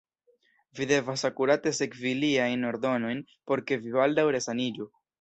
Vi devas akurate sekvi liajn ordonojn, por ke vi baldaŭ resaniĝu.